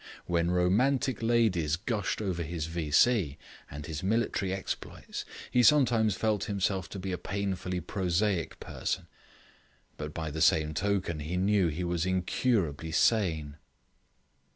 When romantic ladies gushed over his V.C. and his military exploits, he sometimes felt himself to be a painfully prosaic person, but by the same token he knew he was incurably sane.